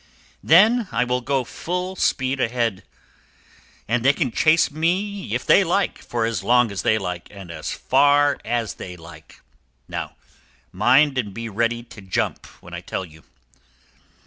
Then I will go full speed ahead again, and they can chase me if they like, for as long as they like, and as far as they like. Now mind and be ready to jump when I tell you!"